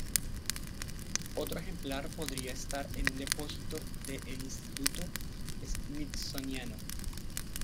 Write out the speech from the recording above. Otro ejemplar podría estar en un depósito de el Instituto Smithsoniano.